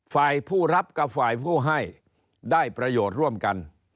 ฝ่ายผู้รับกับฝ่ายผู้ให้ได้ประโยชน์ร่วมกัน